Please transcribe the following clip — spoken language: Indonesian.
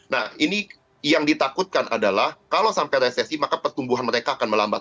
nah ini yang ditakutkan adalah kalau sampai resesi maka pertumbuhan mereka akan melambat